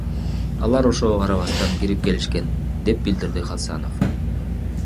Алар ошого карабастан кирип келишкен, — деп билдирди Хасанов.